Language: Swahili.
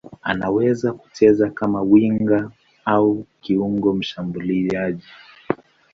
Anaweza kucheza kama winga au kiungo mshambuliaji.